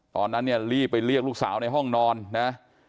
ตอนนั้นเนี่ยรีบไปเรียกลูกสาวในห้องนอนนะ